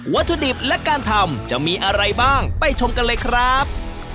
ถุดิบและการทำจะมีอะไรบ้างไปชมกันเลยครับ